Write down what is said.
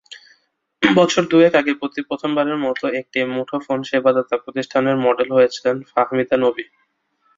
বছর দু-এক আগে প্রথমবারের মতো একটি মুঠোফোন সেবাদাতা প্রতিষ্ঠানের মডেল হয়েছিলেন ফাহমিদা নবী।